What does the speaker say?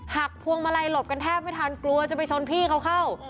พวงมาลัยหลบกันแทบไม่ทันกลัวจะไปชนพี่เขาเข้า